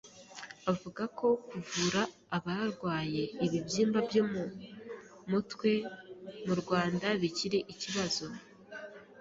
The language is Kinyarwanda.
avuga ko kuvura abarwaye ibibyimba byo mu mutwe mu Rwanda bikiri ikibazo.